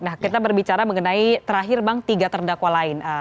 nah kita berbicara mengenai terakhir bang tiga terdakwa lain